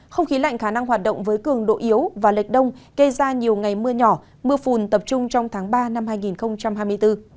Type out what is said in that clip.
không khí lạnh khả năng hoạt động với cường độ yếu và lệch đông gây ra nhiều ngày mưa nhỏ mưa phùn tập trung trong tháng ba năm hai nghìn hai mươi bốn